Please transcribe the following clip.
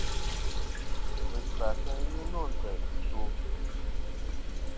Fujva fɨ ghɨ nô ntè' i to'.